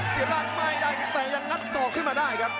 เสียบร่างไม่ได้แต่ยังงัดสอบขึ้นมาได้ครับ